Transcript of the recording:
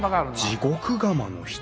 地獄釜の人